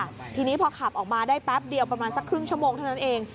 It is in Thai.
ทีนี้พอขับออกมาได้แป๊บเดียวประมาณสักครึ่งชั่วโมงเท่านั้นเอง